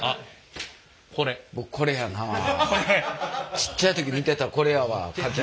ちっちゃい時見てたこれやわかき氷屋さんで。